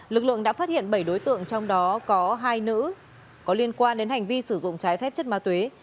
lực lượng đã phát hiện bảy đối tượng trong đó có hai nữ có liên quan đến hành vi sử dụng trái phép chất ma túy